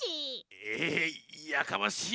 えいやかましい！